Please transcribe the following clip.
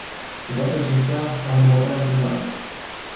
Cu toate acestea, am următoarea întrebare.